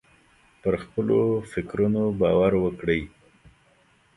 پر خپلو فکرونو باور وکړئ.